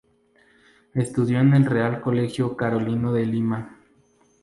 Estudió en el Real Colegio Carolino de Lima.